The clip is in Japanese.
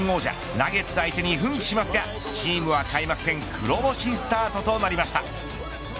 ナゲッツ相手に奮起しますがチームは開幕戦黒星スタートとなりました。